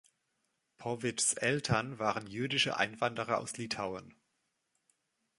Povichs Eltern waren jüdische Einwanderer aus Litauen.